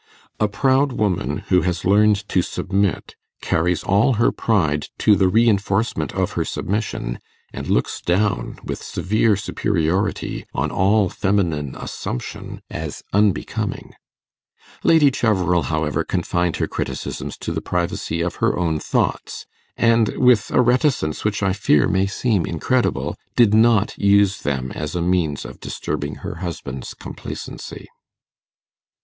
A proud woman who has learned to submit, carries all her pride to the reinforcement of her submission, and looks down with severe superiority on all feminine assumption as 'unbecoming'. Lady Cheverel, however, confined her criticisms to the privacy of her own thoughts, and, with a reticence which I fear may seem incredible, did not use them as a means of disturbing her husband's complacency.